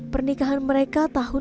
pernikahan mereka tahun dua ribu dua